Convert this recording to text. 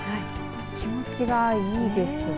気持ちがいいですね。